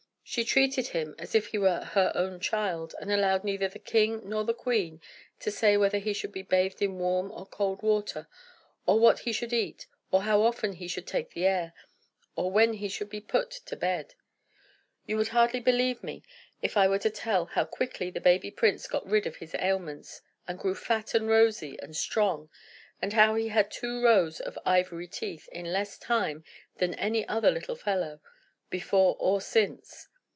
She treated him as if he were her own child, and allowed neither the king nor the queen to say whether he should be bathed in warm or cold water, or what he should eat, or how often he should take the air, or when he should be put to bed. You would hardly believe me, if I were to tell how quickly the baby prince got rid of his ailments, and grew fat, and rosy, and strong, and how he had two rows of ivory teeth in less time than any other little fellow, before or since.